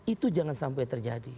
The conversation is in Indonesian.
itu jangan sampai terjadi